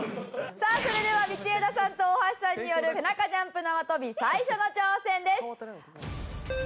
さあそれでは道枝さんと大橋さんによる背中ジャンプ縄跳び最初の挑戦です。